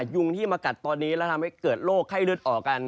ยุงที่มากัดตอนนี้แล้วทำให้เกิดโรคไข้เลือดออกกัน